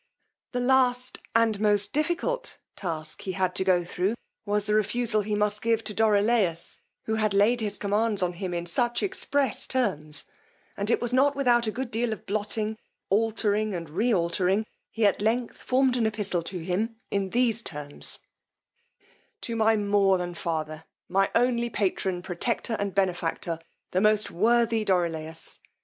The last and most difficult task he had to go thro', was the refusal he must give to Dorilaus, who had laid his commands on him in such express terms; and it was not without a good deal of blotting, altering, and realtering, he at length formed an epistle to him in these terms: _To my more than father, my only patron, protector and benefactor, the most worthy DORILAUS.